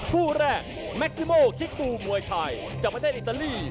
คู่แรกแม็กซิโมคิกบูมวยไทยจากประเทศอิตาลี